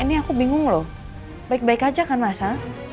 ini aku bingung loh baik baik aja kan masa